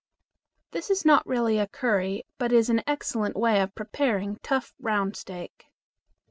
This is not really a curry, but is an excellent way of preparing tough round steak.